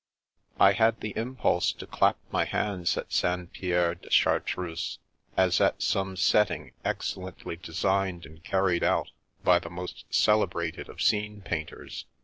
I had the impulse to clap my hands at St. Pierre de Chartreuse, as at some " setting " excellently designed and carried out by the most celebrated of scene painters.